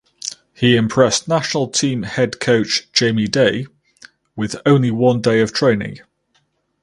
He impressed national team head coach Jamie Day with only one day of training.